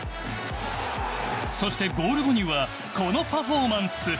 そしてゴール後にはこのパフォーマンス。